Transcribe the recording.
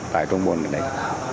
tại phong bồn này